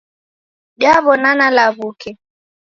Diawonana law'uke